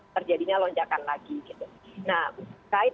terjadinya lonjakan lagi gitu nah terkait